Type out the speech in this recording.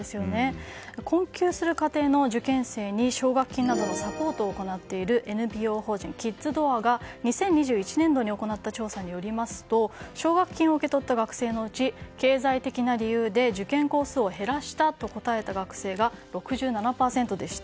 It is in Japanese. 困窮する家庭の受験生に奨学金などのサポートを行っているＮＰＯ法人キッズドアが２０２１年度に行った調査によりますと奨学金を受け取った学生のうち経済的な理由で受験校数を減らした学生が６７％でした。